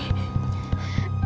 apa yang terjadi